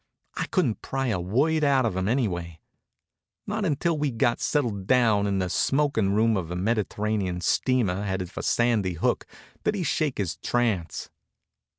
I couldn't pry a word out of him anyway. Not until we got settled down in the smoking room of a Mediterranean steamer headed for Sandy Hook did he shake his trance.